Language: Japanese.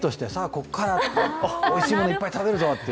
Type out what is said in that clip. ここから、おいしいものいっぱい食べるぞと。